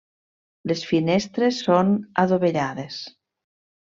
Les finestres són adovellades.